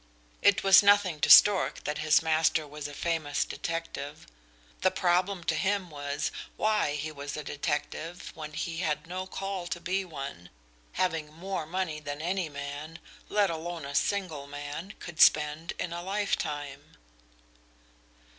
It was nothing to Stork that his master was a famous detective; the problem to him was why he was a detective when he had no call to be one, having more money than any man and let alone a single man could spend in a lifetime.